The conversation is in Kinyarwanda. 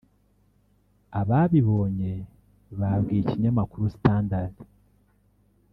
Ababibonye babwiye ikinyamakuru Standard